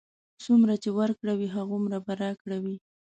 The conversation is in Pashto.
څومره چې ورکړه وي، هماغومره به راکړه وي.